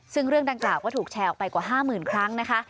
ซึ่งเรื่องดังกล่าวก็ถูกแชร์ออกไปกว่า๕๐๐๐ครั้งนะคะ